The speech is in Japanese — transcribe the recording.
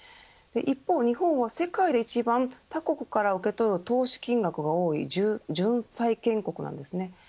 一方日本は、世界で一番他国から受け取る投資金額が多い純債権国なんです。